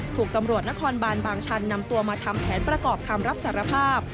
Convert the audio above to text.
ถูกตำรวจนครบานบางชันนำตัวมาทำแผนประกอบคำรับสารภาพ